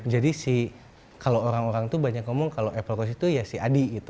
jadi kalau orang orang banyak ngomong kalau apple coast itu ya si adi